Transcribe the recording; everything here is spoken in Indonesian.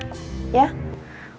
tapi buat kerja